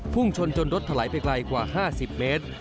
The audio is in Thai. พุ่งชนจนรถถลายไปไกลกว่า๕๐เมตร